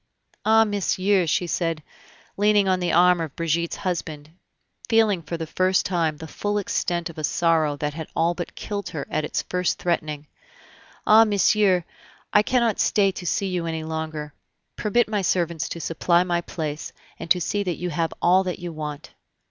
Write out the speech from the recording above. "Ah! monsieur," she said, leaning on the arm of Brigitte's husband, feeling for the first time the full extent of a sorrow that had all but killed her at its first threatening; "ah! monsieur, I cannot stay to see you any longer ... permit my servants to supply my place, and to see that you have all that you want."